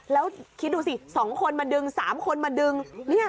แล้วคิดดูสิ๒คนมาดึง๓คนมาดึง